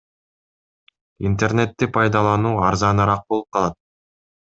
Интернетти пайдалануу арзаныраак болуп калат.